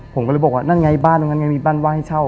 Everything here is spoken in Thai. ผมก็เลยบอกว่านั่นไงบ้านตรงนั้นไงมีบ้านว่างให้เช่า